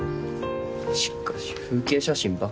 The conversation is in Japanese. しかし風景写真ばっか。